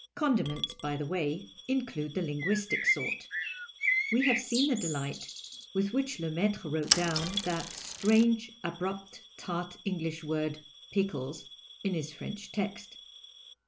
Condiments, by the way, include the linguistic sort. We have seen the delight with which Lemaitrc wrote down that strange, abrupt, tart Englisji word " j)iekles " in his French text.